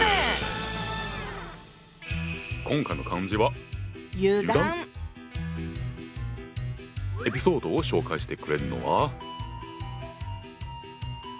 今回の漢字はエピソードを紹介してくれるのは。